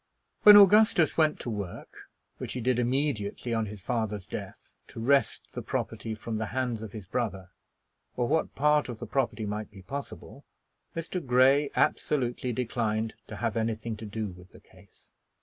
When Augustus went to work, which he did immediately on his father's death, to wrest the property from the hands of his brother, or what part of the property might be possible, Mr. Grey absolutely declined to have anything to do with the case.